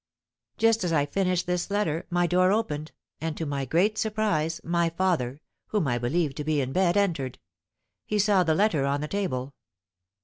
Just as I finished this letter, my door opened, and, to my great surprise, my father, whom I believed to be in bed, entered; he saw the letter on the table.